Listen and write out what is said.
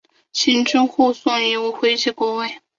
秦军护送夷吾回国即位。